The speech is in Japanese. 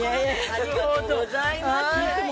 ありがとうございます。